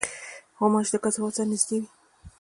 غوماشې د کثافاتو سره نزدې وي.